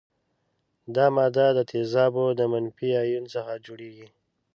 دا ماده د تیزابو د منفي ایون څخه جوړیږي.